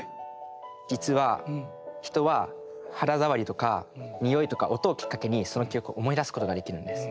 実は人は肌触りとか匂いとか音をきっかけにその記憶を思い出すことができるんです。